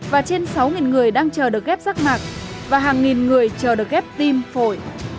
và trên sáu người đang chờ được ghép rác mạc và hàng nghìn người chờ được ghép tim phổi